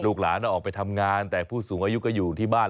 หลานออกไปทำงานแต่ผู้สูงอายุก็อยู่ที่บ้าน